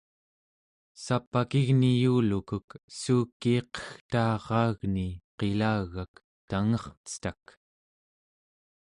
sap'akigni yuulukek suukiiqegtaaraagni qilagak tangercetak